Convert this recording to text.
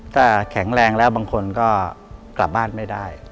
ถ้าแข็งแรงแล้วบางคนก็กลับบ้านไม่ได้